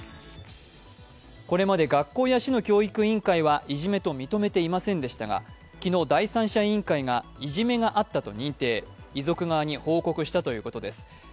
これまで学校や市の教育委員会はいじめと認めていませんでしたが、昨日第三者委員会がいじめがあったと認定、遺族側に報告したということです。